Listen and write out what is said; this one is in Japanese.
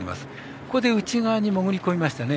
ここで内側に潜り込みました。